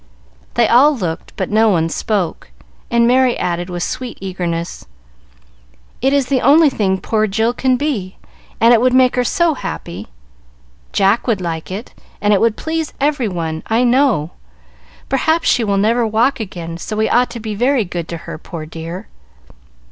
They all looked, but no one spoke, and Merry added, with sweet eagerness, "It is the only thing poor Jill can be, and it would make her so happy; Jack would like it, and it would please every one, I know. Perhaps she will never walk again, so we ought to be very good to her, poor dear."